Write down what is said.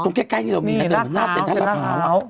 ตรงใกล้นี่เรามีน่าเสร็จไทยราภาว